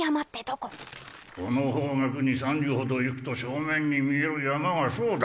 この方角に３里ほど行くと正面に見える山がそうだ。